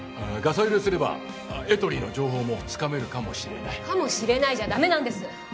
ガサ入れすればエトリの情報もつかめるかもしれないかもしれないじゃダメなんです